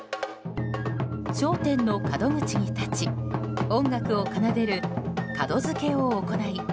商店の門口に立ち音楽を奏でる門付けを行い